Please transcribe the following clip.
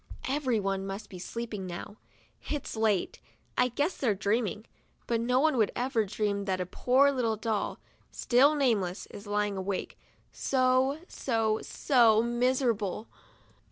Everyone must be sleeping now, it's late. I guess they're dreaming, but no one would ever dream that a poor little doll, still nameless, is lying awake, so, so, so miserable.